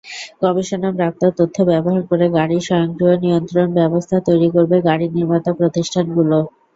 গবেষণাপ্রাপ্ত তথ্য ব্যবহার করে গাড়ির স্বয়ংক্রিয় নিয়ন্ত্রণব্যবস্থা তৈরি করবে গাড়ি নির্মাতা প্রতিষ্ঠানগুলো।